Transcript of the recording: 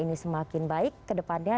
ini semakin baik ke depannya